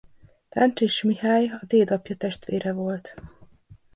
Táncsics Mihály a dédapja testvére volt.